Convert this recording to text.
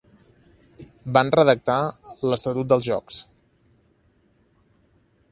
Van redactar l'estatut dels jocs.